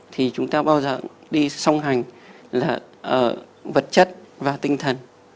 thì chúng ta bao giờ đi song hành là vật chất và tinh thần